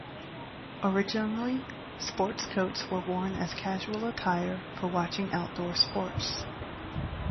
Originally, sports coats were worn as casual attire for watching outdoor sports.